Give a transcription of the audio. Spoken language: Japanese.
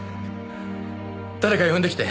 誰か呼んできて！